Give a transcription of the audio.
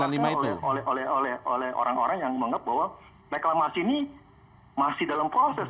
nah itu misalnya oleh orang orang yang menganggap bahwa reklamasinya masih dalam proses